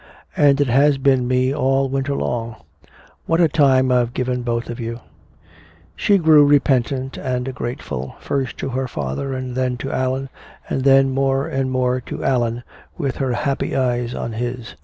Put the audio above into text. And it has been me all winter long! What a time I've given both of you!" She grew repentant and grateful, first to her father and then to Allan, and then more and more to Allan, with her happy eyes on his.